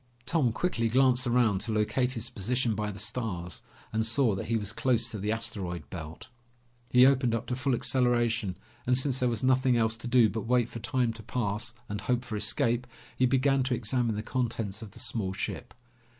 Tom quickly glanced around to locate his position by the stars and saw that he was close to the asteroid belt. He opened up to full acceleration, and since there was nothing else to do but wait for time to pass and hope for escape, he began to examine the contents of the small ship.